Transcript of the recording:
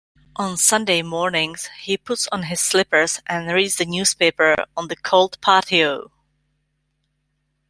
On Sunday mornings, he puts on his slippers and reads the newspaper on the cold patio.